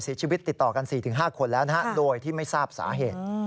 สิทธิ์สิโตะกัน๔ถึง๕คนแล้วโดยที่ไม่ทราบสาเหตุ